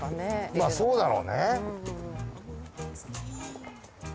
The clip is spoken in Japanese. まあそうだろうね。